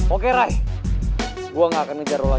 oke ray gue gak akan ngejar lo lagi